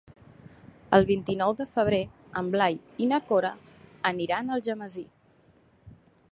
El vint-i-nou de febrer en Blai i na Cora aniran a Algemesí.